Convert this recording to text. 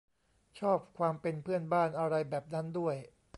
ชอบความเป็นเพื่อนบ้านอะไรแบบนั้นด้วย